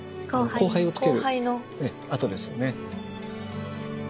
光背をつけるええ跡ですよね。